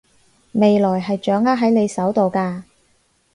未來係掌握喺你手度㗎